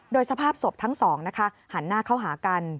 โดยสภาพศพทั้งสองนะคะหันหน้าเข้าหากัน